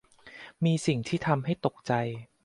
มีสิ่งที่ทำให้ตกใจ